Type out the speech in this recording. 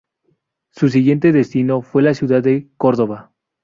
Su siguiente destino fue la ciudad de Córdoba.